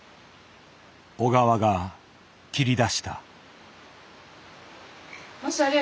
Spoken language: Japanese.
小川が切り出した。